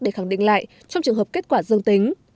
để khẳng định lại trong trường hợp kết quả dương tính